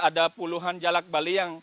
ada puluhan jalak bali yang di sini